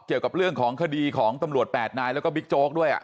เกี่ยวกับเรื่องของคดีของตำรวจ๘นายแล้วก็บิ๊กโจ๊กด้วย